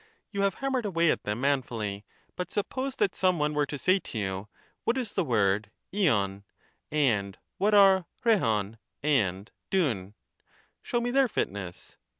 You have hammered away at them manfully ; but suppose that some one were to say to you, what is the word Ibv, and what are pmv and 6ovvl — show me their fitness.